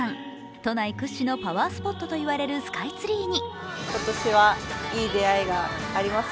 都内屈指のパワースポットといわれるスカイツリーに。